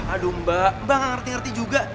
aduh mbak mbak gak ngerti ngerti juga